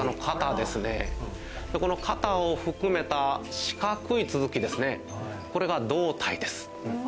この肩を含めた四角い続きですねこれが胴体です。